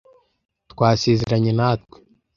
Twasezeranye natwe.